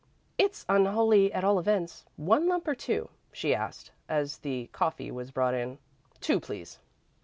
"It's unholy at all events. One lump, or two?" she asked, as the coffee was brought in. "Two, please."